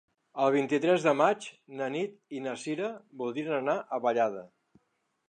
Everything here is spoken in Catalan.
El vint-i-tres de maig na Nit i na Sira voldrien anar a Vallada.